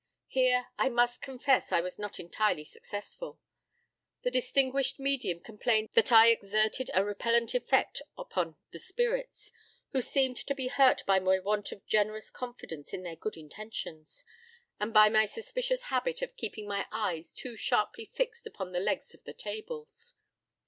Here, I must confess, I was not entirely successful: the distinguished medium complained that I exerted a repellent effect upon the spirits, who seemed to be hurt by my want of generous confidence in their good intentions, and by my suspicious habit of keeping my eyes too sharply fixed upon the legs of the tables.